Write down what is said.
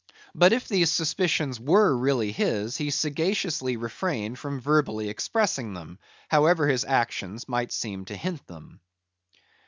But if these suspicions were really his, he sagaciously refrained from verbally expressing them, however his actions might seem to hint them.